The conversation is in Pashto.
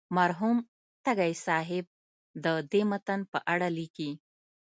مرحوم تږی صاحب د دې متن په اړه لیکي.